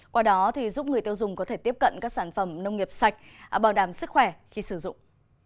qua đó giúp người tiêu dùng có thể tiếp cận các sản phẩm nông nghiệp sạch bảo đảm sức khỏe khi sử dụng